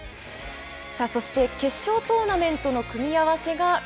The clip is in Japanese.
そして決勝トーナメントの組み